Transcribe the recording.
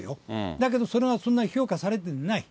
だけどそれがそんなに評価されてない。